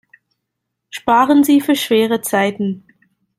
Sparen Sie für schwere Zeiten!